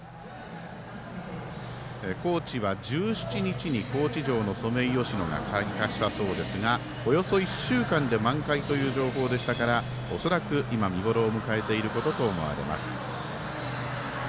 高知は１７日に高知城のソメイヨシノが開花したそうですがおよそ１週間で満開という情報でしたから恐らく今、見頃を迎えていることと思われます。